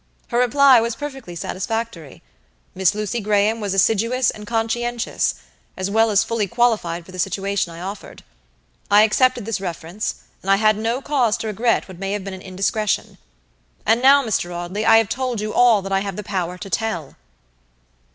Her reply was perfectly satisfactory; Miss Lucy Graham was assiduous and conscientious; as well as fully qualified for the situation I offered. I accepted this reference, and I had no cause to regret what may have been an indiscretion. And now, Mr. Audley, I have told you all that I have the power to tell."